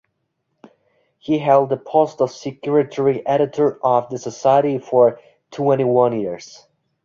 He held the post of secretary-editor of the society for twenty-one years.